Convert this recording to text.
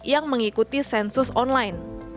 yang mengikuti sensus online